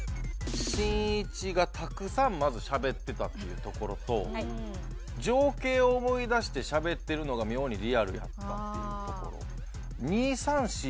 しんいちがたくさんまずしゃべってたっていうところと情景を思い出してしゃべってるのが妙にリアルやったっていうところ。